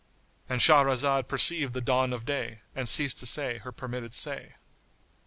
——And Shahrazad perceived the dawn of day and ceased to say her permitted say.